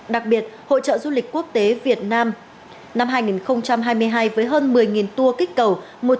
đặc biệt hội trợ du lịch quốc tế việt nam năm hai nghìn hai mươi hai với hơn một mươi tour kích cầu